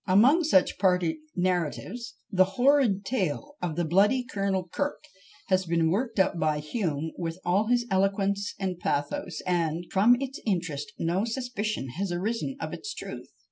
Among such party narratives, the horrid tale of the bloody Colonel Kirk has been worked up by Hume with all his eloquence and pathos; and, from its interest, no suspicion has arisen of its truth.